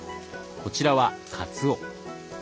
こちらはかつお。